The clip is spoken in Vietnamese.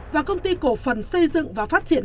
và công ty cổ phần xây dựng và phát triển